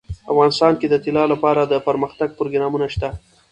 افغانستان کې د طلا لپاره دپرمختیا پروګرامونه شته.